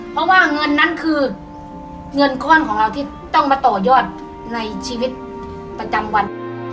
เพราะว่าเงินนั้นคือเงินก้อนของเราที่ต้องมาต่อยอดในชีวิตประจำวัน